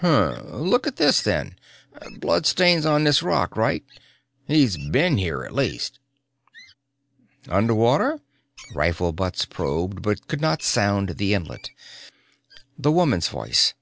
"Hm? Look at this, then. Bloodstains on this rock, right? He's been here, at least." "Under water?" Rifle butts probed but could not sound the inlet. The woman's voice.